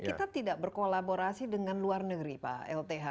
kita tidak berkolaborasi dengan luar negeri pak lth